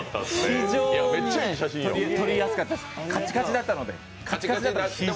非常に撮りやすかったです、カチカチだったので。